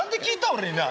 俺になあ。